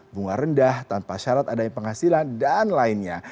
bunga rendah tanpa syarat adanya penghasilan dan lainnya